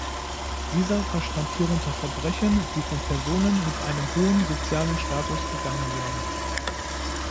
Dieser verstand hierunter Verbrechen, die von Personen mit einem hohen sozialen Status begangen werden.